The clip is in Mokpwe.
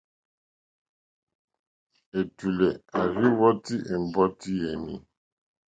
Ɛ̀tùlɛ̀ à rzí wɔ́tè ɛ̀mbɔ́tí yèní.